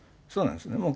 そうなんですね。